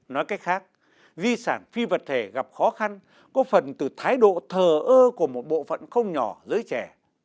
nói cách khác di sản phi vật thể gặp khó khăn có phần từ thái độ thờ ơ của một bộ phận không nhỏ giới trẻ